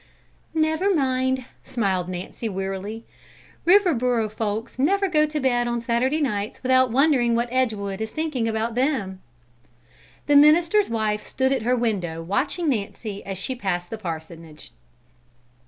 "Never mind!" smiled Nancy wearily. "Riverboro folks never go to bed on Saturday nights without wondering what Edgewood is thinking about them!" The minister's wife stood at her window watching Nancy as she passed the parsonage.